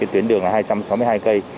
tuyến đường là hai trăm sáu mươi hai cây